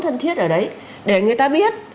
thân thiết ở đấy để người ta biết